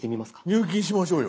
入金しましょうよ。